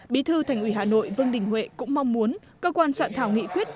bí thư thành ủy hà nội vương đình huệ cũng mong muốn cơ quan soạn thảo nghị quyết